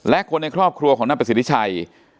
และคนในครอบครัวของนายประสิทธิชัย